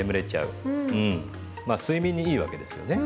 まあ睡眠にいいわけですよね。